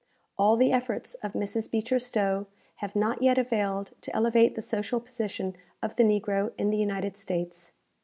All the efforts of Mrs. Beecher Stowe have not yet availed to elevate the social position of the negro in the United States.